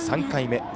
３回目